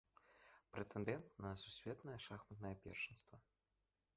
Прэтэндэнт на сусветнае шахматнае першынства.